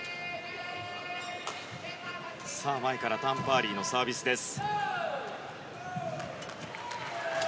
前からタン・パーリーのサービスです。